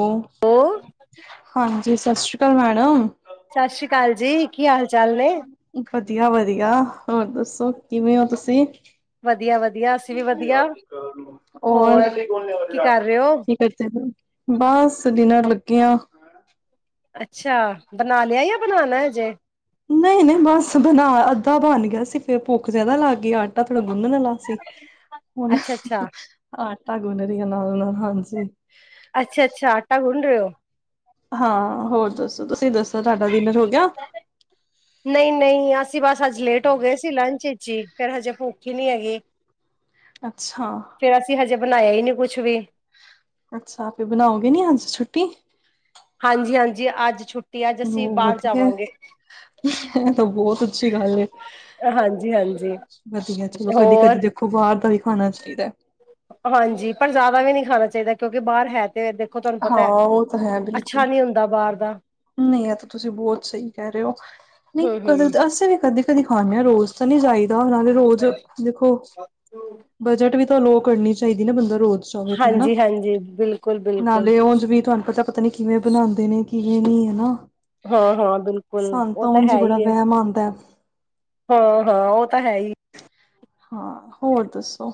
Hello! ਹਾਂਜੀ, ਸਤਿ ਸ਼੍ਰੀ ਅਕਾਲ ਮੈਡਮ। ਸਤਿ ਸ੍ਰੀ ਅਕਾਲ ਜੀ, ਕਿ ਹਾਲ -ਚਾਲ ਨੇ। ਵਧੀਆ-ਵਧੀਆ, ਹੋਰ ਦੱਸੋ ਕਿਵੇਂ ਹੋ ਤੁਸੀਂ? ਵਧੀਆ ਵਧੀਆ ਅਸੀਂ ਵੀ ਵਧੀਆ ਹੋਰ ਔਰ ਕੀ ਕਰ ਰਹੇ ਹੋ ਕਿ ਕਰਦੇ ਬਸ ਡਿਨਰ ਲੱਗੇ ਆ। ਅੱਛਾ, ਬਣਾ ਲਿਆ ਜਾਂ ਬਣਾਣਾ ਹਜੇ। ਨਹੀਂ-ਨਹੀਂ ਬਸ ਬਣਾ, ਅੱਧਾ ਬਣ ਗਿਆ ਸੀ ਫਿਰ ਭੁੱਖ ਜਿਆਦਾ ਲਾਗ ਗਈ ਆਟਾ ਥੋੜਾ ਗੁੰਨਣ ਵਾਲਾ ਸੀ, ਹੁਣ ਅੱਛਾ ਅੱਛਾ ਆਟਾ ਗੁੰਨਰੀਆਂ ਨਾਲੋ -ਨਾਲ, ਹਾਂਜੀ। ਅੱਛਾ-ਅੱਛਾ, ਆਟਾ ਗੁਨ ਰਹੇ ਹੋ। ਹਾਂ ਹੋਰ ਦੱਸੋ ਤੁਸੀਂ ਦੱਸੋ ਤੁਹਾਡਾ ਡੀਨਰ ਹੋ ਗਿਆ? ਅਸੀ ਬਸ ਅੱਜ ਲੇਟ ਹੋ ਗਏ ਸੀ, ਲੰਚ ਵਿਚ ਹੀ ਫੇਰ ਹਜੇ ਭੁਖ ਹੀ ਨੀ ਹੈਗੀ। ਅੱਛਾ। ਫੇਰ ਅਸੀਂ ਹਜੇ ਬਣਾਇਆ ਹੀ ਨਹੀ ਕੁਛ ਵੀ। ਅੱਛਾ, ਫਿਰ ਬਣਾਉਗੇ ਨੀ ਅੱਜ ਛੁੱਟੀ। ਹਾਂਜੀ-ਹਾਂਜੀ, ਅੱਜ ਛੁੱਟ ਉਹ ਵਧੀਆ। ਇਹ ਤਾਂ ਬਹੁਤ ਅੱਛੀ ਗੱਲ ਏ ਹਾਂਜੀ ਹਾਂਜੀ ਵਧੀਆ ਚਲੋ ਕਦੀ-ਕਦੀ ਹੋਰ ਦੇਖੋ ਬਾਹਰ ਦਾ ਵੀ ਖਾਣਾ ਚਾਹੀਦਾ। ਹਾਂਜੀ ਪਰ ਜ਼ਿਆਦਾ ਵੀ ਨਹੀ ਖਾਣਾ ਚਾਹੀਦਾ ਕਿਉਂਕਿ ਬਾਹਰ ਹੇਲ ਤੇ ਦੇਖੋ ਤੁਹਾਨੂੰ ਹਾਂ ਪਤਾ ਉਹ ਤਾਂ ਅੱਛਾ ਨਹੀ ਹੁੰਦਾ ਬਾਹਰ ਦਾ ਨਹੀ ਏ ਤਾਂ ਤੁਸੀ ਬਹੁਤ ਸਹੀ ਕਹਿ ਰਹੇ ਹੋ, ਨਹੀਂ ਕਦੇ ਹਮ ਅਸੀਂ ਵੀ ਕਦੇ ਖਾਉਂਦੇ ਹਾਂ ਰੋਜ਼ ਤਾਂ ਨਹੀ ਜਾਈਦਾ ਨਾਲੇ ਰੋਜ਼ ਦੇਖੋ, ਹਮ ਬਜਟ ਵੀ ਤਵਾਨੁ ਓਹ ਕਰਨੀ ਚਾਹੀਦੀ ਨਾ ਬੰਦਾ ਰੋਜ਼ ਚਾਹਵੇ ਹਨਾ, ਹਾਂਜੀ ਹਾਂਜੀ ਬਿਲਕੁਲ ਬਿਲਕੁਲ ਨਾਲੇ ਉਂਝ ਵੀ ਤੁਹਾਨੂੰ ਪਤਾ ਪਤਾ ਨੀ ਕਿਵੇਂ ਬਣਾਨਦੇ ਨੇ ਕੀ ਇਹ ਨੀ ਹੈ ਨਾ, ਹਾਂ ਹਾਂ ਬਿਲਕੁਲ ਸਾਨੂੰ ਤਾਂ ਉਂਜ ਹੀ ਬੜਾ ਵਹਿਮ ਆਂਦਾ ਏ ਹਾਂ-ਹਾਂ ਉਹ ਤਾਂ ਹੈ ਹੀ। ਹਾਂ, ਹੋਰ ਦੱਸੋ।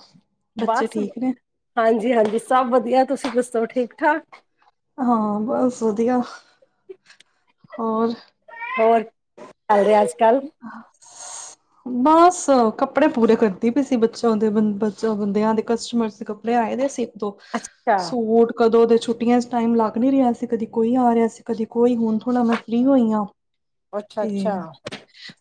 ਬੱਚੇ ਬਸ ਠੀਕ ਨੇ ਹਾਂਜੀ-ਹਾਂਜੀ, ਸਭ ਵਧੀਆ ਤੁਸੀਂ ਦੱਸੋ ਠੀਕ- ਠਾਕ। ਹਾਂ ਬਸ ਵਧੀਆ, ਹੋਰ। ਹੋਰ ਕਿ ਚੱਲ ਰਿਹਾ ਅੱਜ- ਕੱਲ? [inaudible] ਬਸ ਕੱਪੜੇ ਪੂਰੇ ਕਰਦੀ ਪਈ ਸੀ ਬੱਚਿਆਂ ਦੇ ਬੱਚ ਬੰਦਿਆਂ ਦੇ, ਕਸਟਮਰ ਦੇ ਕੱਪੜੇ ਆਏ ਦੇ ਸੀ। ਦੋ ਅੱਛਾ ਸੂਟ ਕਦੋਂ ਦੇ। ਛੁੱਟੀਆਂ 'ਚ ਟਾਈਮ ਲੱਗ ਨਹੀਂ ਰਿਹਾ ਸੀ, ਕਦੀ ਕੋਈ ਆ ਰਿਹਾ ਸੀ, ਕਦੇ ਕੋਈ, ਹੁਣ ਥੋੜ੍ਹਾ ਮੈਂ ਫਰੀ ਹੋਈ ਹਾਂ ਤੇ ਅੱਛਾ-ਅੱਛਾ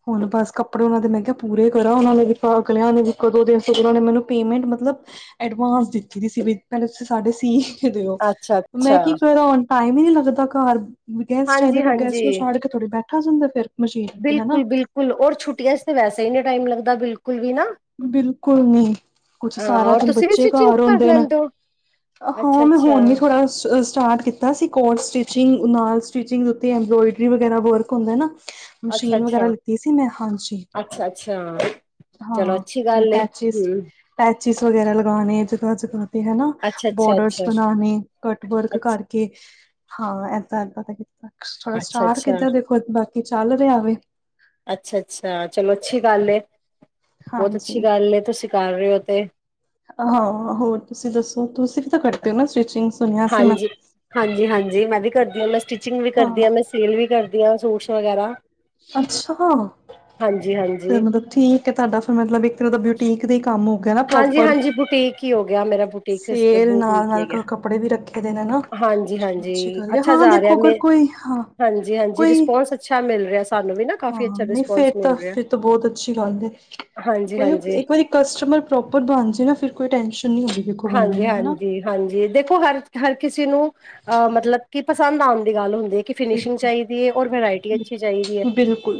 ਹੁਣ ਬਸ ਕੱਪੜੇ ਉਹਨਾਂ ਦੇ ਮੈਂ ਕਿਹਾ ਪੂਰੇ ਕਰਾ, ਉਹਨਾਂ ਨੇ ਵੀ ਅਗਲਿਆਂ ਨੇ ਕਦੋਂ ਦੇ ਨੇ ਮੈਨੂੰ ਪੇਮੈਂਟ ਮਤਲਬ ਐਡਵਾਂਸ ਦਿੱਤੀ ਦੀ ਸੀ ਬ ਪਹਿਲੇ ਤੁਸੀਂ ਸਾਡੇ ਸੀ ਕੇ ਦਿਓ, ਅੱਛਾ ਮੈਂ ਅੱਛਾ ਕੀ ਕਰਾਂ ਟਾਈਮ ਹੀ ਨਹੀਂ ਲੱਗਦਾ ਘਰ ਗੈਸਟ ਆਏ ਦੇ ਹਾਂਜੀ ਗੈਸਟ ਨੂੰ ਛੜ ਕੇ ਥੋੜੀ ਬੈਠਾ ਜਾਂਦਾ ਫੇਿਰ ਬਿਲਕੁਲ-ਬਿਲਕੁਲ ਔਰ ਛੁੱਟੀਆਂ 'ਚ ਤੇ ਵੈਸਾ ਹੀ ਨਹੀਂ ਟਾਈਮ ਲੱਗਦਾ ਬਿਲਕੁਲ ਵੀ ਨਾ ਬਿਲਕੁਲ ਨੀ, ਕੁਛ ਹਾਂ ਸਾਰਾ ਔਰ ਦਿਨ ਤੁਸੀਂ ਵੀ ਬੱਚੇ ਸਟਿਚਿੰਗ ਘਰ ਕਰ ਹੁੰਦੇ ਨੇ ਲੈਂਦੇ ਹੋ ਅੱਛਾ ਹਾਂ, ਮੈਂ ਅੱਛਾ ਹੋਣ ਵੀ ਥੋੜ੍ਹਾ ਸਟਾਰਟ ਕੀਤਾ ਸੀ ਕੋਰਸ, ਸਟਿਚਿੰਗ ਨਾਲ ਸਟਿਚਿੰਗ ਦੇ ਉੱਤੇ ਐੰਬਰੋਇਡਰੀ ਵਗੈਰਾ ਵਰਕ ਹੁੰਦਾ ਨਾ ਅੱਛਾ ਮਸ਼ੀਨ ਵਗੈਰਾ ਅੱਛਾ ਲਿੱਤੀ ਸੀ ਮੈਂ, ਹਾਂਜੀ, ਹਾਂ ਕੀ ਜਿਵੇਂ ਗੱਲ ਹੈ, ਪੈਚਿਸ ਹਮ ਪੈਚਿਸ ਵਗੈਰਾ ਲਗਾਉਣੇ, ਜਦ ਅੱਜ-ਕਲ ਹਨਾ, ਅੱਛਾ ਅੱਛਾ ਬੋਡਰਸ ਅੱਛਾ ਬਣਾਉਣੇ, ਕਟ ਵਰਕ ਅੱਛਾ ਕਰਕੇ ਹਾਂ ਇਦਾਂ ਪਤਾ, ਥੋੜਾ ਅੱਛਾ ਸਟਾਰ ਅੱਛਾ ਕਿੱਦਾਂ ਦੇਖੋ ਬਾਕੀ ਚੱਲ ਰਿਹਾ ਵ ਅੱਛਾ ਅੱਛਾ ਚਲੋ ਅੱਛੀ ਗੱਲ ਏ ਬਹੁਤ ਅੱਛੀ ਹਾਂਜੀ ਗੱਲ, ਤੁਸੀ ਕਰ ਰਹੇ ਹੋ ਤੇ ਹਾਂ ਹੋਰ ਤੁਸੀਂ ਦੱਸੋ, ਤੁਸੀਂ ਵੀ ਤਾਂ ਕਰਦੇ ਹੋ ਨਾ ਸਟਿਚਿੰਗ ਸੁਣਿਆ ਸੀ ਮੈਂ ਹਾਂਜੀ, ਹਾਂਜੀ-ਹਾਂਜੀ ਮੈਂ ਵੀ ਕਰਦੀ ਹਾਂ ਮੈਂ ਸਟਿਚਿੰਗ ਵੀ ਕਰਦੀ ਹਾਂ ਮੈਂ ਸੇਲ ਵੀ ਕਰਦੀ ਵਆ ਸੂਟਸ ਵਗੈਰਾ ਅੱਛਾ ਫ ਹਾਂਜੀ-ਹਾਂਜੀ ਮਤਲਬ ਠੀਕ ਹੈ ਤੁਹਾਡਾ ਫਿਰ ਮਤਲਬ ਇੱਕ ਤੇ ਦਾ ਬਊਟੀ ਬੁਟੀਕ ਦੇ ਕੰਮ ਹੋ ਹੋ ਗਿਆ ਨਾ ਪ੍ਰੋਪਰ, ਹਾਂਜੀ-ਹਾਂਜੀ ਬੁਟੀਕ ਹੀ ਹੋ ਗਿਆ ਮੇਰਾ ਬੁਟੀਕ ਸਿਸਟਮ ਸੇਲ ਨਾਲ- ਬੁਟੀਕ ਹੀ ਨਾਲ ਹੈਗਾ ਕੱਪੜੇ ਵੀ ਰੱਖੇ ਦੇ ਨਾ ਹਾਂਜੀ-ਹਾਂਜੀ ਅੱਛੀ ਗੱਲ ਹੈ, ਅੱਛਾ ਹਾਂ ਜਾ ਰਿਹਾ ਦੇਖੋ ਅਗਰ ਮੇ ਕੋਈ, ਹਾਂ ਹਾਂਜੀ-ਹਾਂਜੀ ਕੋਈ ਰਿਸਪੋਂਸ ਅੱਛਾ ਮਿਲ ਰਿਹਾ ਸਾਨੂੰ ਵੀ ਨਾ ਕਾਫ਼ੀ ਹਾਂ ਅੱਛਾ ਨਹੀਂ, ਫਿਰ ਰਿਸਪੋਂਸ ਤਾਂ, ਮਿਲ ਰਿਹਾ ਫਿਰ ਬਹੁਤ ਅੱਛੀ ਗੱਲ ਕੋਈ ਹਾਂਜੀ-ਹਾਂਜੀ ਇੱਕ ਵਾਰੀ ਕਸਟਮਰ ਪ੍ਰੋਪਰ ਬਣ ਜਾ ਨਾ, ਫਿਰ ਕੋਈ ਟੈਨਸ਼ਨ ਨਹੀਂ ਹੁੰਦੀ ਦੇਖੋ ਬੰਦੇ ਨੂੰ ਹਨਾ ਹਾਂਜੀ-ਹਾਂਜੀ-ਹਾਂਜੀ ਦੇਖੋ ਹਰ, ਦੇਖੋ ਹਰ ਕਿਸੇ ਨੂੰ, ਅਹ ਮਤਲਬ ਕਿ ਪਸੰਦ ਆਉਣ ਦੀ ਗੱਲ ਹੁੰਦੀ ਇਕ ਫਿਨਸ਼ਿੰਗ ਬਿਲਕੁਲ ਚਾਹੀਦੀ ਹੈ ਔਰ ਵਰਾਇਟੀ ਅੱਛੀ ਚਾਹੀਦੀ ਹੈ, ਬਿਲਕੁਲ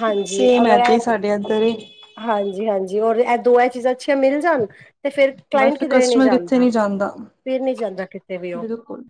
ਹਾਂਜੀ ਅਗਰ ਿਆਤ ਰ [unintelligible] ਹਾਂਜੀ -ਹਾਂਜੀ, ਇਹ ਦੋ ਇਹ ਚੀਜ਼ਾਂ ਅੱਛੀਆਂ ਮਿਲ ਜਾਣ ਤੇ ਫਿਰ ਬਸ ਕਲਾਇੰਟ ਫਿਰ, ਕਿਧਰੇ ਨਹੀਂ ਕਸਟਮਰ ਕਿੱਥੇ ਨੀ ਜਾਂਦਾ ਫਿਰ ਨਹੀਂ ਜਾਂਦਾ ਕਿਤੇ ਵੀ ਉਹ ਬਿਲਕੁਲ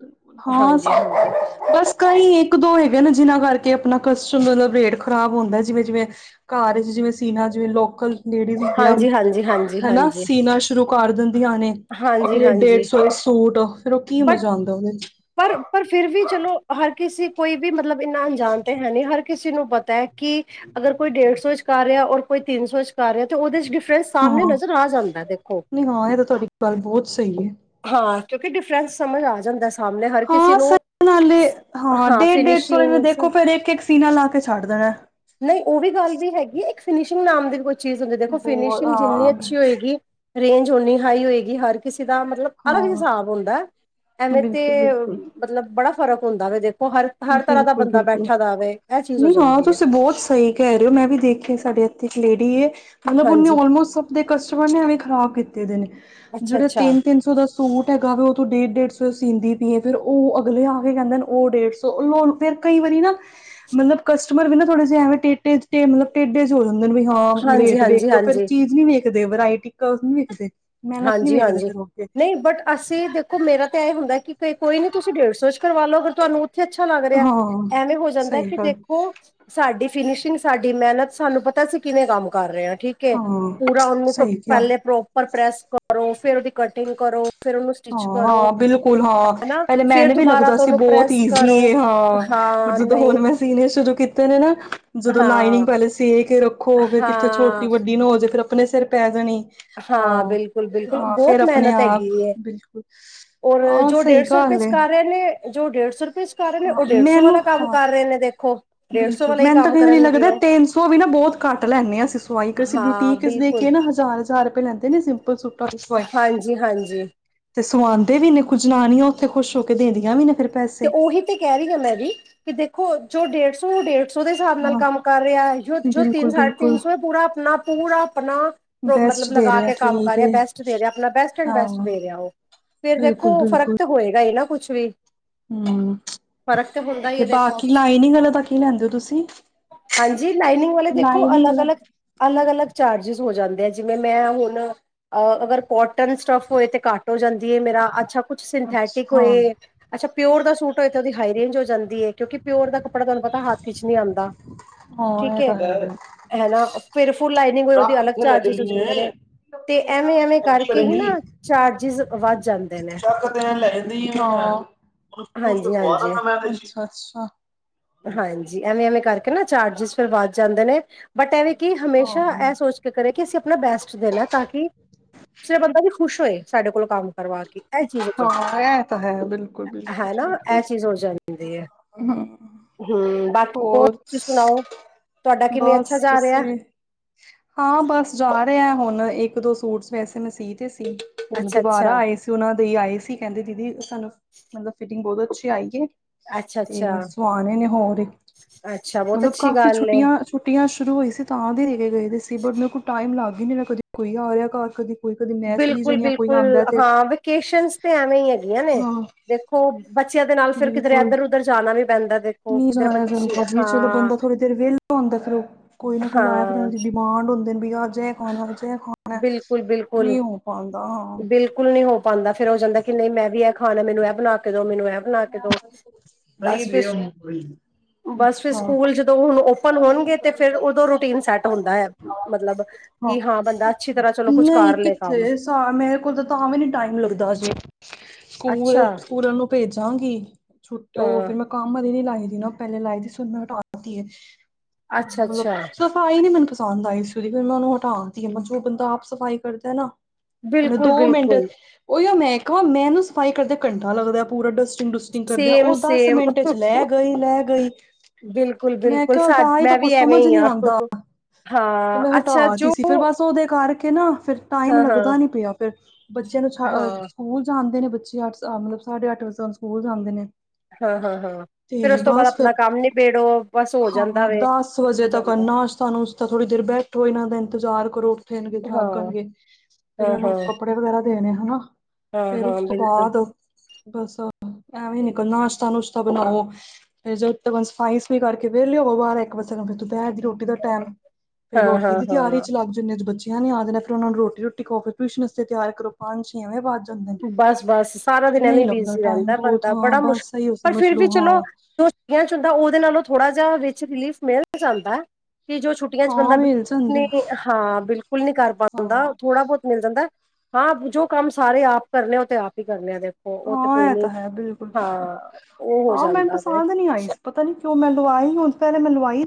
ਹਾਂ ਹਾਂਜੀ ਹਾਂਜੀ ਬਸ ਕਈ ਇੱਕ ਦੋ ਹੈਗੇ ਨਾ ਜਿਨਾਂ ਕੋਲ ਕਰਕੇ ਆਪਣਾ ਕਸਟਮ ਮਤਲਬ ਰੇਟ ਖ਼ਰਾਬ ਹੁੰਦਾ ਜਿਵੇਂ- ਜਿਵੇਂ ਘਰ 'ਚ ਜਿਵੇਂ ਸੀਨਾ ਜਿਵੇਂ ਲੋਕਲ ਨੇੜਮ ਹਾਂਜੀ ਹਾਂਜੀ ਹਾਂਜੀ ਹਨਾ ਹਾਂਜੀ ਸੀਨਾ [unintelligible] ਸ਼ੁਰੂ ਕਰ ਦਿੰਦੀਆਂ ਨੇ, ਹਾਂਜੀ ਫੇਰ ਡੇਢ ਹਾਂਜੀ ਸੌ ਸੂਟ, ਫੇਰ ਉਹ ਕੀ ਬਟ ਮਜ਼ਾ ਆਉਂਦਾ ਉਹਦੇ ਪਰ, ਪਰ ਫਿਰ ਵੀ ਚਲੋ ਹਰ ਕਿਸੇ ਕੋਈ ਵੀ ਮਤਲਬ ਇੰਨਾ ਅਣਜਾਣ ਤੇ ਹੈ ਨਹੀ ਹਰ ਕਿਸੇ ਨੂੰ ਪਤਾ ਹੈ ਕਿ, ਅਗਰ ਕੋਈ ਡੇਢ ਸੌ 'ਚ ਕਰ ਰਿਹਾ ਔਰ ਕੋਈ ਤਿੰਨ ਸੌ 'ਚ ਕਰ ਰਿਹਾ, ਤੇ ਉਹਦੇ 'ਚ ਡਿ ਫਿਰ ਸਾਹਮਣੇ ਹਾਂ ਨਜ਼ਰ ਆ ਜਾਂਦਾ ਦੇਖੋ ਨਹੀਂ ਹਾਂ ਇਹ ਤਾਂ ਤੁਹਾਡੀ ਗੱਲ ਬਹੁਤ ਸਹੀ ਹੈ ਹਾਂ ਕਿਉਂਕਿ ਡਿਫਰੈਂਸ ਸਮਝ ਆ ਜਾਂਦਾ ਸਾਹਮਣੇ ਹਰ ਕਿਸੇ ਹਾਂ ਨੂੰ ਸ ਨਾਲੇ ਹਾਂ ਡੇਢ ਡੇਢ ਸੌ ਰ ਦੇਖੋ ਫੇਿਰ ਇੱਕ ਇੱਕ ਸੀਨਾ ਲਾ ਕੇ ਛੱਡ ਦੇਣਾ ਨਹੀਂ, ਉਹ ਵੀ ਗੱਲ ਵੀ ਹੈਗੀ ਇੱਕ ਫਿਨਸ਼ਿੰਗ ਨਾਮ ਦੀ ਚੀਜ਼ ਹੁੰਦੀ, ਦੇਖੋ ਬਹੁਤ ਫਿਨਸ਼ਿੰਗ ਜਿੰਨੀ ਹਾਂ ਅੱਛੀ ਹੋਏਗੀ ਰੇਂਜ ਓਨੀ ਹਾਈ ਹੋਏਗੀ, ਹਰ ਕਿਸੇ ਦਾ ਮਤਲਬ ਅਲੱਗ ਹਾਂ ਹਿਸਾਬ ਹੁੰਦਾ ਐਵੇਂ ਤੇ ਬਿਲਕੁਲ ਬਿਲਕੁਲ ਮਤਲਬ ਬੜਾ ਫਰਕ ਹੁੰਦਾ ਵ ਹਰ ਤਰ੍ਹਾਂ ਦਾ ਬਿਲਕੁਲ ਬੰਦਾ, ਬਿਲਕੁਲ ਬੈਠਾ ਦਾਵੇ ਨਹੀਂ ਹਾਂ ਤੁਸੀਂ ਬਹੁਤ ਸਹੀ ਕਹਿ ਰਹੇ ਹੋ, ਮੈਂ ਵੀ ਦੇਖਿਆ ਸਾਡੇ ਇੱਥੇ ਇੱਕ ਲੇਡੀ ਏ ਮਤਲਬ ਉਹਨੇ ਹਾਂਜੀ ਔਲਮੋਸਟ ਸਭ ਦੇ ਕਸਟਮਰ ਨੇ ਐਵੇਂ ਖ਼ਰਾਬ ਕੀਤੇ ਨੇ, ਅੱਛਾ ਜਿਹੜੇ ਅੱਛਾ ਤਿੰਨ -ਤਿੰਨ ਸੌ ਦੇ ਸੂ ਸੂਟ ਹੈਗਾ ਵੀ ਉਹ ਤੋਂ ਡੇਢ ਡੇਢ ਸੌ ਸੀਂਦੀ ਪੀਏ ਫੇਿਰ ਉਹ ਅਗਲੇ ਆ ਕੇ ਕਹਿੰਦੇ ਨੇ ਉਹ ਡੇਢ ਸੌ ਲਓ ਫਿਰ, ਕਈ ਵਾਰੀ ਨਾ, ਮਤਲਬ ਕਸਟਮਰ ਵੀ ਨਾ ਥੋੜੇ ਜਿਹੇ ਐਵੇਂ ਮਤਲਬ ਟੇੇ 'ਚ ਟੇਡੇ ਜਿਹੇ ਹੋ ਜਾਂ ਵੀ ਹਾਂ ਹਾਂਜੀ ਰੇਟ ਵੇਖ, ਹਾਂਜੀ ਫਿਰ ਹਾਂਜੀ ਚੀਜ਼ ਨੀ ਵੇਖਦੇ, ਵਰਾਇਟੀ ਨੀ ਵੇਖਦੇ ਮੇਹਨਤ ਨੀ ਵੇਖਦੇ ਹਾਂਜੀ-ਹਾਂਜੀ ਫਿਰ ਓਹ। ਨਹੀਂ ਬਟ ਅਸੀ ਦੇਖੋ ਮੇਰਾ ਤਾਂ ਐਂ ਹੁੰਦਾ ਕਿ ਕੋਈ ਨਈ ਤੁਸੀ ਡੇਢ ਸੌ ਚ ਕਰਵਾ ਲਓ ਅਗਰ ਤੁਹਾਨੂੰ ਓਥੇ ਅੱਛਾ ਲੱਗ ਰਿਹਾ, ਹਾਂ ਐਵੇਂ ਹੋ ਜਾਂਦਾ ਸਹੀ ਕਿ ਗੱਲ ਦੇਖੋ ਸਾਡੇ ਫਿਨਿਸ਼ਿੰਗ ਸਾਡੀ ਮੇਹਨਤ ਸਾਨੂੰ ਪਤਾ ਅਸੀ ਕਿਵੇਂ ਕੰਮ ਕਰ ਰਹੇ ਹਾਂ। ਠੀਕ ਏ ਹਾਂ ਪੂਰਾ ਉਹਨੂੰ ਸਹੀ ਕਿਹਾ ਪਹਿਲੇ ਪ੍ਰੋਪਰ ਪ੍ਰੈਸ ਕਰੋ ਫੇਰ ਓਦੀ ਕਟਿੰਗ ਕਰੋ। ਫਿਰ ਉਹਨੂੰ ਸਟਿਚ ਹਾਂ- ਕਰੋ ਹਾਂ ਬਿਲਕੁਲ ਹਾਂ ਹਨਾ ਪਹਿਲੇ ਫਿਰ ਮੈਨੁ ਵੀ ਦੁਬਾਰਾ ਲੱਗਦਾ ਤੋਂ ਸੀ ਉਹਨੂੰ ਬੋਤ ਪ੍ਰੈਸ ਈਜ਼ੀ ਕਰੋ ਏ ਹਾਂ। ਪਰ ਹਾਂ ਜਦੋਂ ਹੁਣ ਨਹੀਂ ਮੈਂ ਸੀਨੇ ਸ਼ੁਰੂ ਕੀ ਕਿਤੇ ਨੇ ਨਾ ਜਦੋਂ ਲਾਈਨਿੰਗ ਹਾਂ ਪਹਿਲੇ ਸੀ ਕੇ ਰੱਖੋ ਫੇਰ ਕਿੱਥੇ ਹਾਂ ਛੋਟੀ- ਵੱਡੀ ਨ ਹੋ ਜੇ ਫਿਰ ਅਪਣੇ ਸਿਰ ਪੈ ਜਾਣੀ, ਹਾਂ ਬਿਲਕੁਲ ਬਿਲਕੁਲ ਆ ਬਹੁਤ ਫੇਰ ਅਪਣੇ ਮਿਹਨਤ ਆਪ ਹੈਗੀ ਹੈ ਬਿਲਕੁਲ ਔਰ ਹਾਂ ਜੋ ਸਹੀ ਡੇਢ ਸੌ ਰੁਪਏ ਗੱਲ ਚ ਏ। ਕਰ ਰਹੇ ਨੇ ਜੋ ਡੇਢ ਸੌ ਰੁਪਏ ਚ ਕਰ ਰਹੇ ਨੇ ਹਾਂ ਉਹ ਡੇਢ ਸੌ ਵਾਲਾ ਮੈਨੂੰ ਕੰਮ ਹਾਂ ਕਰ ਰਹੇ ਨੇ ਦੇਖੋ। ਡੇਢ ਸੌ ਬਿਲਕੁਲ ਵਾਲਾ ਹੀ ਮੈਨੂੰ ਤਾਂ ਕੰਮ ਕਈ ਵਾਰੀ ਕਰਨਗੇ ਲੱਗਦਾ ਉਹ ਤਿੰਨ ਸੌ ਵੀ ਨਾ ਬੋਤ ਘੱਟ ਲੈਂਨੈ ਹਾਂ ਅਸੀ ਸਵਾਈ ਕ ਅਸੀ ਹਾਂ ਬੁਟੀਕ ਇਚ ਬਿਲਕੁਲ ਦੇਖਿਏ ਨਾ ਹਜ਼ਾਰ- ਹਜ਼ਾਰ ਰੁਪਏ ਲੈਂਦੇ ਨੇ ਸਿੰਪਲ ਸੂਟ ਹਾਂਜੀ -ਹਾਂਜੀ। ਤੇ ਸੁਆਉਂਦੇ ਵੀ ਨੇ ਕੁਝ ਜਨਾਨੀਆਂ ਓਥੇ ਖੁਸ਼ ਹੋ ਕੇ ਦੇਦੀਆਂ ਵੀ ਨੇ ਫਿਰ। ਤੇ ਪੈਸੇ ਓਹੀ ਤੇ ਕਹਿ ਰਹੀ ਆਂ, ਮੈਂ ਵੀ ਕਿ ਦੇਖੋ ਜੋ ਡੇਢ ਸੌ ਡੇਢ ਸੋ ਦੇ ਹਿਸਾਬ ਨਾਲ ਹਾਂ ਕੰਮ ਕਰ ਰਿਹਾ ਐ, ਜੋ ਜੋ ਤਿੰਨ ਬਿਲਕੁਲ ਸਾਢੇ ਬਿਲਕੁਲ ਤਿੰਨ ਸੌ ਪੂਰਾ ਆਪਣਾ ਪੂਰਾ ਆਪਣਾ। ਬੈਸਟ ਮਤਲਬ ਦੇ ਲਗਾ, ਰਿਹਾ ਕੇ ਕੰਮ ਕਰ ਠੀਕ ਰਿਹਾ ਹੈ ਬੈਸਟ ਦੇ ਰਿਹਾ ਆਪਣਾ ਬੈਸਟ ਐਂਡ ਹਾਂ ਬੈਸਟ ਦੇ ਰਿਹਾ ਓਹ। ਫੇਰ ਬਿਲਕੁਲ ਦੇਖੋ ਫ਼ਰਕ ਤਾਂ ਹੋਏਗਾ ਈ ਨਾ ਕੁਛ ਵੀ। ਹੂੰ ਫ਼ਰਕ ਹੁੰਦਾ ਹੀ ਤੇ ਹੈ ਦੇਖੋ ਬਾਕੀ ਲਾਈਨਿੰਗ ਵਾਲੇ ਦਾ ਕੀ ਲੈਂਦੇ ਓ ਤੁਸੀ? ਹਾਂਜੀ ਲਾਈਨਿੰਗ ਵਾਲੇ ਦੇਖੋ, ਅਲੱਗ-ਅਲੱਗ-ਅਲੱਗ-ਅਲੱਗ। ਚਾਰਜਿਸ ਹੋ ਜਾਂਦੇ ਐ ਜਿਵੇਂ ਮੈਂ ਹੁਣ ਅਗਰ ਕੋਟਨ ਸਟੱਫ ਹੋਏ ਤੇ ਘੱਟ ਹੋ ਜਾਂਦੀ ਏ, ਮੇਰਾ ਅੱਛਾ ਕੁਛ ਅੱਛਾ, ਸਿੰਥੈਟਿਕ ਹਾਂ ਹੋਏ, ਅੱਛਾ ਪਿਓਰ ਦਾ ਸੂਟ ਹੋਏ, ਤੇ ਓਦੀ ਹਾਈ ਰੇਂਜ ਹੋ ਜਾਂਦੀ ਏ ਕਿਉਂਕਿ ਪਿਓਰ ਦਾ ਕੱਪੜਾ ਤੁਹਾਨੂੰ ਪਤਾ ਹੱਥ ਚ ਨੀ ਆਦਾ ਹਾਂ ਠੀਕ ਇਹ ਏ ਤਾਂ ਹੈ ਹੈਨਾ ਫਿਰ ਫੁੱਲ ਲਾਈਨਿੰਗ ਹੋਏ, ਰਾਹ ਓਦੇ ਅਲੱਗ ਕਿੱਥੇ ਲੈ ਚਾਰਜਿਸ ਹੋ ਚੱਲੀ ਜਾਂਦੇ ਏ ਨੇ, ਤੇ ਐਵੇਂ-ਐਵੇਂ ਕੀ ਕਰਕੇ ਹੀ ਨਾ ਚਾਰਜਿਸ ਵੱਧ ਜਨ ਚੱਕ ਤੇ ਲੈਂਦੀ ਉਹਨੂੰ ਪੂੰਜ ਕੇ ਖਵਾ ਹਾਂਜੀ-ਹਾਂਜੀ। ਦਾਂਗਾ ਮੈਂ ਅੱਛਾ-ਅੱਛਾ, ਹਾਂਜੀ, ਐਵੇਂ-ਐਵੇਂ ਕਰਕੇ ਨਾ ਚਾਰਜਿਸ ਫਿਰ ਵੱਧ ਜਾਂਦੇ ਨੇ। ਬਟ ਐਵੇਂ ਕਿ ਹਾਂ ਹਮੇਸ਼ਾ ਏਹ ਸੋਚ ਕੇ ਕਰੇ ਕਿ ਅਸੀਂ ਆਪਣਾ ਬੈਸਟ ਦੇਣਾ ਤਾਂ ਕਿ ਦੂਸਰਾ ਬੰਦਾ ਵੀ ਖੁਸ਼ ਹੋਏ ਸਾਡੇ ਕੋਲ ਕੰਮ ਕਰਵਾ ਕੇ ਇਹ ਚੀਜ਼ ਹੋ ਜਾਂਦੀ ਹਾਂ ਐ ਤਾਂ ਹੈ, ਹੈਨਾ ਬਿਲਕੁਲ-ਬਿਲਕੁਲ-ਬਿਲਕੁਲ। ਇਹ ਚੀਜ਼ ਹੋ ਜਾਂਦੀ ਹੈ ਹੂੰ। ਹਮ ਬਾਕੀ ਹੋਰ, ਤੁਸੀਂ ਸੁਣਾਓ ਤੁਹਾਡਾ ਕਿਵੇਂ ਅੱਛਾ ਬਸ ਜਾ ਰਿਹਾ ਤੁਸੀ। ਹਾਂ ਬਸ ਜਾ ਰਿਹਾ, ਹੁਣ ਇੱਕ ਦੋ ਸੂਟ ਵੈਸੇ ਮੈਂ ਸੀ ਤੇ ਸੀ। ਅੱਛਾ ਅੱਛਾ ਦੁਬਾਰਾ ਆਏ ਸੀ ਉਹਨਾਂ ਦੇ ਈ ਆਏ ਸੀ, ਕਹਿੰਦੇ ਦੀਦੀ ਸਾਨੂੰ ਮਤਲਬ ਫਿਟਿੰਗ ਬੋਤ ਅੱਛੀ ਆਈਏ ਅੱਛਾ ਅੱਛਾ ਤੇ ਸਵਾਣੇ ਨੇ ਹੋਰ। ਅੱਛਾ ਬਹੁਤ ਮਤਲਬ ਅੱਛੀ ਕਾਫੀ ਗੱਲ ਏ ਛੁੱਟੀਆਂ-ਛੁੱਟੀਆਂ ਸ਼ੁਰੂ ਹੋਈ ਸੀ, ਤਾਂ ਦੇ ਦੇ ਕੇ ਗਏ ਸੀ ਬਟ ਮੇਰੇ ਕੋਲ ਟਾ ਈਮ ਲੱਗ ਈ ਨੀ ਰਿਹਾ ਮੇਰਾ ਕਦੀ ਕੋਈ ਆ ਗਿਆ ਘਰ ਕਦੇ ਬਿਲਕੁਲ-ਬਿਲਕੁਲ, ਹਾਂ ਵੇਕੇਸ਼ਨਸ ਤੇ ਐਵੇਂ ਈ ਹੈਗੀਆਂ ਨੇ ਹਾਂ ਦੇਖੋ ਬ ਬੱਚੇਆਂ ਦੇ ਨਾਲ ਫੇਰ ਕਿਧਰੇ ਐਧਰ ਉੱਧਰ ਜਾਣਾ ਵੀ ਪੈਂਦਾ ਦੇਖੋ ਨਈ ਕਿਧਰ ਜਾਇਆ ਬੱਚੇ ਜਾਂਦਾ ਜੀ, ਚਲੋ ਹਾਂ ਬੰਦਾ ਥੋੜ੍ਹੀ ਦੇਰ ਵੇਹਲਾ ਹੁੰਦਾ ਫੇਰ ਓਹ ਕੋਈ ਨਾ ਕੋਈ ਆਇਆ ਫਿਰ ਓ ਹਾਂ ਡਿਮਾਂਡ ਹੁੰਦੇ ਬੀ ਅੱਜ‌ ਐ ਖਾਣਾ ਅੱਜ ਐ ਖਾਣਾ ਬਿਲਕੁਲ ਬਿਲਕੁਲ ਨਈ ਹੋ ਪਾਂਦਾ ਹਾਂ। ਪਾਂਦਾ ਫੇਰ ਹੋ ਜਾਂਦਾ, ਕਿ ਨਈ ਮੈਂ ਵੀ ਐ ਖਾਣਾ ਮੈਨੂੰ ਇਹ ਬਣਾ ਕੇ ਜਦੋਂ ਮੈਨੂੰ ਇਹ ਬਣਾ ਕੇ ਦੋ ਸਹੀ ਬਸ ਫਿਰ ਦੇ ਉਹਨੂੰ ਥੋੜੀ ਬਸ ਫਿਰ ਅੱਛਾ ਹਾਂ ਸਕੂਲ ਜਦੋਂ ਹੁਣ ਓਪਨ ਹੋਣਗੇ, ਤੇ ਫੇਰ ਓਦੋਂ ਰੂਟੀਨ ਸੈੱਟ ਹੁੰਦਾ ਹੈ, ਮਤਲਬ ਕਿ ਹਾਂ ਬੰਦਾ ਅੱਛੀ ਤਰ੍ਹਾਂ ਚਲੋ ਕੁੱਛ ਨਈ ਕਿੱਥੇ ਸ ਮੇਰੇ ਕੋਲ ਤੇ ਤਾਂ ਵੀ ਨੀ ਟਾਈਮ ਲੱਗਦਾ ਜੇ। ਸਕੂਲ ਅੱਛਾ ਸਕੂਲਾਂ ਨੂੰ ਭੇਜ ਛੁ ਓ ਹਾਂ ਫਿਰ ਮੈਂ ਕੰਮ ਵਾਲੀ ਨੀ ਲਾਈ ਦੀ ਨਾ ਪਹਿਲੇ ਲਾਈ ਦੀ ਸੀ ਹੁਣ ਮੈਂ ਹਟਾ ਤੀ ਏ। ਅੱਛਾ ਮਤਲਬ ਅੱਛਾ ਸਫ਼ਾਈ ਨੀ ਮੈਨੂੰ ਪਸੰਦ ਆਈ ਫਿਰ ਮੈਂ ਉਹਨੂੰ ਹਟਾਤੀ ਐ ਜੋ ਬੰਦਾ ਆਪ ਸਫ਼ਾਈ ਕਰਦਾ ਨਾ ਉਹਨੇ ਬਿਲਕੁਲ ਦੋ ਮਿੰਟ ਬਿਲਕੁਲ ਉਹੀ ਮੈਂ ਕਿਹਾ ਮੈਂਨੂੰ ਸਫ਼ਾਈ ਕਰਦੇ ਘੰਟਾ ਲੱਗਦਾ ਪੂਰਾ ਡਸਟ ਟਗ ਡੁਸਟਿੰਗ ਕਰਦੇ, ਸੇਮ ਉਹ ਦਸ ਸੇਮ ਮਿੰਟ ਚ ਲੈ ਗਈ ਲੈ ਗਈ। ਬਿਲਕੁਲ ਮੈਂ ਬਿਲਕੁਲ ਕਿਹਾ ਔ ਸਾ ਤਾ ਮੈਂ ਕੁਛ ਵੀ ਐਵੇਂ ਸਮਝ ਹੀ ਨੀ ਹਾਂ ਆਦਾ ਤੇ ਹਾਂ ਮੈਂ ਅੱਛਾ ਹਟਾਤੀ ਜੋ ਸੀ ਫਿਰ ਬਸ ਸੋਦੇ ਕਰਕੇ ਨਾ ਫਿਰ ਟਾਈਮ ਹਾਂ ਹਾਂ ਲੱਗਦਾ ਨੀ ਪਿਆ, ਫੇਰ ਬੱਚਿਆਂ ਨੂੰ ਹਾਂ ਸਕੂਲ ਜਾਂਦੇ ਨੇ ਪੱਚੀ ਅੱਠ ਮਤਲਬ ਸਾਡੇ ਅੱਠ ਵੱਜ ਸਕੂਲ ਜਾਂਦੇ ਨੇ ਹਾਂ-ਹਾਂ-ਹਾਂ, ਫਿਰ ਤੇ ਉਸ ਤੋਂ ਬਾਅਦ ਬਸ ਆਪਣਾ ਫਿਰ ਕੰਮ ਨਿਬੇੜੋ ਬਸ ਹੋ ਜਾਂਦਾ ਹਾਂ ਵੇ ਦਸ ਵਜੇ ਹੋ ਤੱਕ ਜਾਂਦਾ ਅੰਨਾ ਸਾਨੂੰ ਉਸ ਤਾਂ ਥੋੜ੍ਹੀ ਦੇਰ ਬੈਠੋ ਇਹਨਾਂ ਦਾ ਇੰਤਜ਼ਾਰ ਕਰੋ। ਫੇਣਗੇ ਹਾਂ ਜਾਗਣਗੇ, ਫੇਰ ਹਾਂ ਉਹਨੂੰ ਹਾਂ ਕੱਪੜੇ ਵਗੈਰਾ ਦੇਣੇ ਹਨਾ। ਹਾਂ ਫੇਰ ਹਾਂ ਉਸ ਤੋਂ ਬਿਲਕੁਲ ਬਾਅਦ ਬਸ ਐਵੇਂ ਨਿਕਲ ਨਾਸ਼ਤਾ-ਨਸ਼ਤਾ ਬਣਾਓ, ਫਿਰ ਜਦੋ ਤਕ ਸਫਾਈ ਕਰਕੇੇ ਵਹੇਲੇ ਹੋਵੋ ਬਾਰਾ ਇੱਕ ਵਜੇ ਫਿਰੂੰ ਦੁਪਹਿਰ ਦੀ ਰੋਟੀ ਦਾ ਟਾਈਮ ਫੇਰ ਹਾਂ ਰੋਟੀ ਹਾਂ ਦੀ ਤਿਆਰੀ ਹਾਂ ਚ ਲੱਗ ਜਾਂਦੇ ਜਾਣੇ ਜਾਂਦੇ ਆ ਬੱਚੇ। ਨੀ ਯਾਦ ਰੱਖਣਾ ਫਿਰ ਉਹਨਾਂ ਨੂੰ ਰੋਟੀ ਰੋਟੀ ਖਵਾਓ ਫੇਰ ਟਿਊਸ਼ਨ ਲਈ ਤਿਆਰ ਕਰੋ ਪੰਜ ਛੇ ਇਵੇਂ ਵੱਧ ਜਾਂਦੇ। ਨੇ ਬਸ-ਬਸ ਸਾਰਾ ਦਿਨਾਂ ਨਹੀਂ ਐਵੇਂ ਲੱਗਦਾ ਬਿਜ਼ੀ ਟਾਈਮ ਰਹਿੰਦਾ ਬਹੁਤ ਬੰਦਾ ਹਾਂ ਬੜਾ ਮੁਸ਼ਕਿਲ ਬਸ ਇਹੀਓ ਪਰ ਸਮਝ ਫਿਰ ਲੋ ਵੀ ਚਲੋ। ਹਾਂ ਚ ਹੁੰਦਾ ਉਹਦੇ ਨਾਲੋਂ ਥੋੜਾ ਜਿਹਾ ਵਿਚ ਰਿਲੀਫ਼ ਮਿਲ ਜਾਂਦਾ। ਵੀ ਜੋ ਛੁੱਟੀਆਂ ਚ ਬੰਦਾ ਹਾਂ ਮਿਲ ਬਿਲਕੁਲ ਜਾਂਦਾ ਨਹੀਂ ਹਾਂ ਬਿਲਕੁਲ ਨਹੀਂ ਕਰ ਹਾਂ ਪਾਉਂਦਾ ਉਹ ਥੋੜਾ ਬਹੁਤ ਮਿਲ ਜਾਂਦਾ। ਹਾਂ ਜੋ ਕੰਮ ਸਾਰੇ ਆਪ ਕਰਨੇ ਆ ਉਹ ਤੇ ਆਪ ਹੀ ਕਰਨੇ ਆ। ਦੇਖੋ ਉਹ ਤੇ ਕੋਈ ਹਾਂ ਇਹ ਨੀ ਤਾਂ ਹੈ ਬਿਲਕੁਲ-ਬਿਲਕੁਲ ਹਾਂ ਉਹ ਹੋ ਹਾਂ ਮੈਨੂੰ ਜਾਂਦਾ ਵੇ ਪਸੰਦ ਨੀ ਆਈ ਸੀ ਪਤਾ ਨੀ ਕਿਉਂ ਮੈਂਨੂੰ। ਹੁਣ ਤੇ ਪਹਿਲੇ ਮੈਨੂੰ।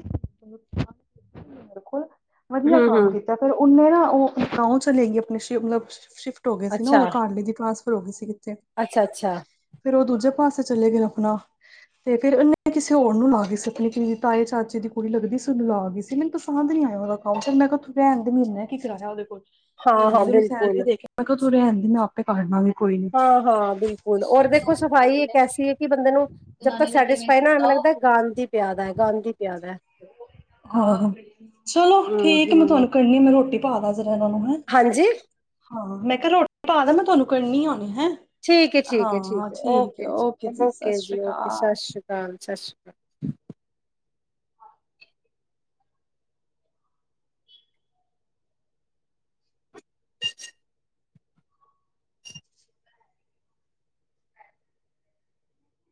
ਕੋਲ ਵਧੀਆ ਕੰਮ ਹੂੰ-ਹੂੰ ਕੀਤਾ ਫਿਰ ਉਹਨੇ ਨਾ। ਉਹ ਗਾਓਂ ਚਲੇ ਗਈ ਆਪਣੇ ਸ਼ਿਫਟ ਹੋ ਗਏ ਸੀ ਨਾ ਅੱਛਾ, ਉਹਦਾ ਘਰ ਵਾਲੇ ਦੀ ਟਰਾਂਸਫਰ ਹੋ ਗਏ ਸੀਗੀ। ਅੱਛਾ-ਅੱਛਾ ਫੇਰ ਉਹ ਦੂਜੇ ਪਾਸੇ ਚਲੇ ਗਏ ਆਪਣਾ। ਤੇ ਫਿਰ ਇਹਨੇ ਕਿਸੇ ਹੋਰ ਨੂੰ ਲਾ ਗਈ ਸੀ ਕਿ ਦੀ ਤਾਏ ਚਾਚੇ ਦੀ ਕੁੜੀ ਲੱਗਦੀ ਸੀ ਉਹਨੂੰ ਲਾ ਗਈ ਸੀ। ਤੇ ਮੈਨੂੰ ਪਸੰਦ ਨੀ ਆਇਆ ਉਹਦੇ ਕੋਲ ਮੈਂ ਕਿਹਾ ਰਹਿਣ ਦੇ ਮਹੀਨੇ ਕੀ ਕਰਾਣਾ ਉਹਦੇ ਕੋਲ। ਮਹੀਨੇ ਹਾਂ-ਹਾਂ ਦੀ ਨੂੰ ਸੈਲਰੀ ਬਿਲਕੁਲ ਦੇ ਕੇ ਮੈਂ ਕਿਹਾ ਤੂੰ ਰਹਿਣ ਦੇ ਮੈਂ ਆਪੇ ਪਾ ਦਿਆਂਗੇ। ਹਾਂ-ਹਾਂ ਬਿਲਕੁਲ ਔਰ ਦੇਖੋ ਸਫ਼ਾਈ ਇੱਕ ਐਸੀ ਹੈ ਕਿ ਬੰਦੇ ਨੂੰ ਜਦ ਤੱਕ ਸੈਟਿਸਫਾਈ ਨਾ ਮਿਲੇ। ਗੰਦ ਪਿਆਦਾ ਹੀ ਗੰਦ ਪਿਆਦਾ। [inaudible] ਆਹ ਚਲੋ ਹੂੰ ਠੀਕ ਮੈਂ ਹੂੰ ਤੁਹਾਨੂੰ ਕਰਨਣੀ ਮੈਂ ਰੋਟੀ ਪਾ ਦਵਾਂ ਜਰਾ ਇਹਨਾਂ ਨੂੰ ਹੈਂ। ਹਾਂਜੀ ਹਾਂ ਮੈਂ ਕਿਹਾ ਰੋਟੀ ਪਾ ਦਾ ਮੈਂ ਤੁਹਾਨੂੰ ਕਰਨੀ ਆ ਹੁਣੇ। ਹੈਂ। ਠੀਕ ਏ ਠੀਕ ਏ ਹਾਂ ਠੀਕ ਹੈ ਓਕੇ ਸਤਿ ਜੀ-ਓਕੇ ਸ਼੍ਰੀ ਜੀ, ਓਕੇ, ਅਕਾਲ। ਸਤਿ ਸ਼੍ਰੀ ਅਕਾਲ। ਸਤਿ ਸ਼੍ਰੀ ਅਕਾਲ।